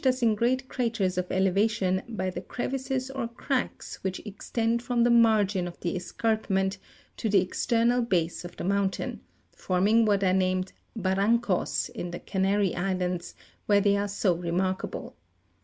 us in great craters of elevation by the crevices or cracks which extend from the margin of the escarpment to the external base of the mountain, forming what are named barancos in the Canary islands, where they are so remarkable.